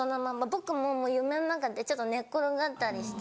僕ももう夢の中でちょっと寝っ転がったりしてて。